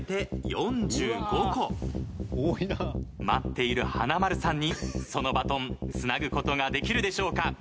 待っている華丸さんにそのバトンつなぐ事ができるでしょうか。